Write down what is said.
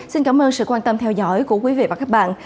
xin cảm ơn sự quan tâm theo dõi của quý vị và các bạn